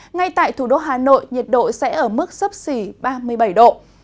ngay tại thủ đô hà nội nhiệt độ sẽ ở mức sấp xỉ ba mươi bảy độ